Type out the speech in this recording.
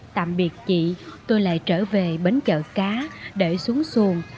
tạm biệt chị tôi lại trở về bến chợ cá để xuống xuồng